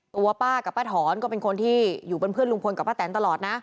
ตัวป้ากับป้าถอนก็เป็นคนที่อยู่เป็นเพื่อนลุงพลกับป้าแตนตลอดนะ